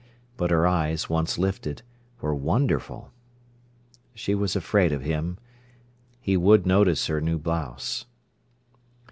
But her eyes, once lifted, were wonderful. She was afraid of him. He would notice her new blouse.